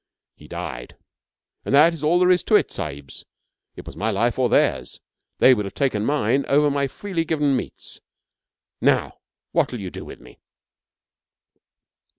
He died. And that is all there is to it, sahibs. It was my life or theirs. They would have taken mine over my freely given meats. Now, what'll you do with me?'